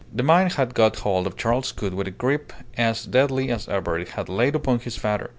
The mine had got hold of Charles Gould with a grip as deadly as ever it had laid upon his father.